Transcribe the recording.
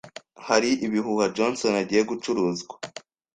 Hari ibihuha Johnson agiye gucuruzwa.